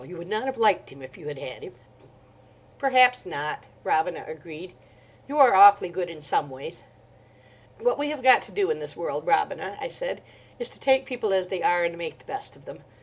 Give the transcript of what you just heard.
You would not have liked him, if you had had him." "Perhaps not," Robina agreed. "You are awfully good in some ways." "What we have got to do in this world, Robina," I said, "is to take people as they are, and make the best of them.